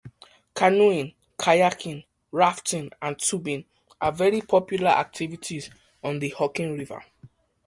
Canoeing, kayaking, rafting, and tubing are very popular activities on the Hocking River.